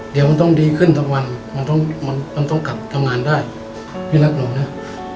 เดี๋ยวมันต้องดีขึ้นทั้งวันมันต้องกัดทำงานได้พี่รักหนูนะ